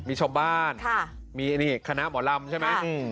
มีชอบบ้านค่ะมีนี่คณะหมอรำใช่ไหมอืม